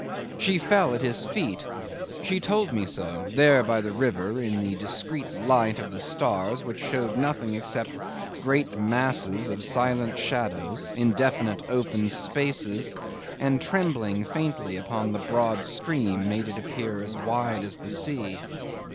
She fell at his feet she told me so there by the river, in the discreet light of stars which showed nothing except great masses of silent shadows, indefinite open spaces, and trembling faintly upon the broad stream made it appear as wide as the sea.